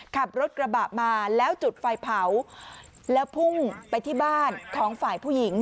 ขับรถกระบะมาแล้วจุดไฟเผาแล้วพุ่งไปที่บ้านของฝ่ายผู้หญิง